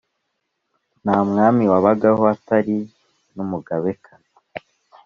nta mwami wabagaho hatari n umugabekazi